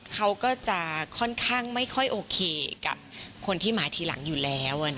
เขาก็จะค่อนข้างไม่ค่อยโอเคกับคนที่มาทีหลังอยู่แล้ว